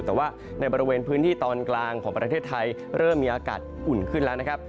แต่ว่าในบริเวณพื้นที่ตอนกลางของประเทศไทยเริ่มมีอากาศอุ่นขึ้นแล้วนะครับ